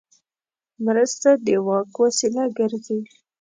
مرسته د واک وسیله ګرځي.